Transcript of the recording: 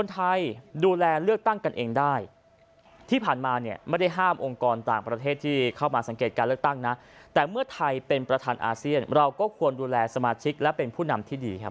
เข้ามาสังเกตการเลือกตั้งนะแต่เมื่อไทยเป็นประธานอาเซียนเราก็ควรดูแลสมาชิกและเป็นผู้นำที่ดีครับ